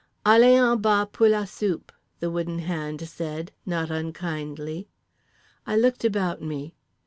_" —"Allez en bas, pour la soupe" the Wooden Hand said not unkindly. I looked about me.